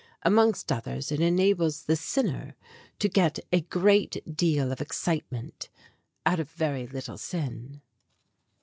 Amongst others, it enables the sinner to get a great GREAT POSSESSIONS 3 deal of excitement out of very little sin.